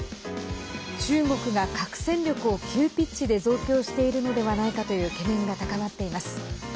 中国が核戦力を急ピッチで増強しているのではないかという懸念が高まっています。